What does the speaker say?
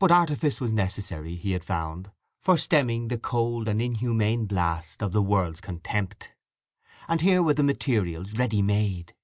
But artifice was necessary, he had found, for stemming the cold and inhumane blast of the world's contempt. And here were the materials ready made.